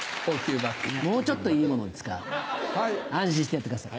もうちょっといい物ですから安心してやってください。